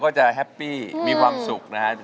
ก็จะแฮปปี้มีความสุขนะฮะ